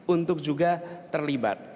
untuk juga terlibat